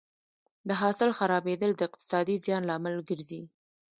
د حاصل خرابېدل د اقتصادي زیان لامل ګرځي.